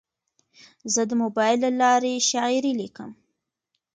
زه د موبایل له لارې شاعري لیکم.